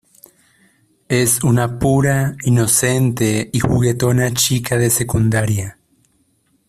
Es una pura, inocente y juguetona chica de secundaria.